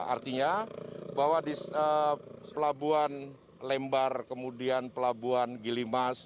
artinya bahwa di pelabuhan lembar kemudian pelabuhan gilimas